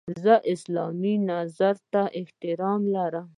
زه اسلامي نظرې ته احترام لرم.